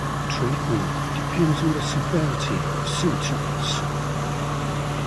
Treatment depends on the severity of symptoms.